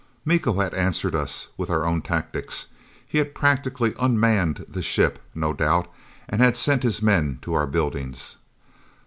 Miko had answered us with our own tactics. He had practically unmanned the ship, no doubt, and had sent his men to our buildings.